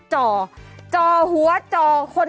จัดกระบวนพร้อมกัน